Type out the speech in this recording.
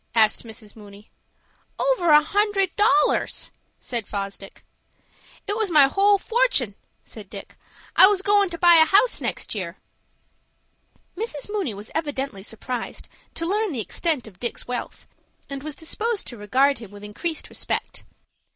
asked Mrs. Mooney. "Over a hundred dollars," said Fosdick. "It was my whole fortun'," said Dick. "I was goin' to buy a house next year." Mrs. Mooney was evidently surprised to learn the extent of Dick's wealth, and was disposed to regard him with increased respect.